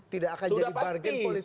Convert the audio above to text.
tidak akan jadi bargen politik